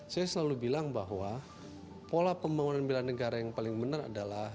saya selalu bilang bahwa pola pembangunan bela negara yang paling benar adalah